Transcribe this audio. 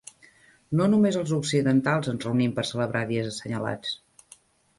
No només els occidentals ens reunim per celebrar dies assenyalats.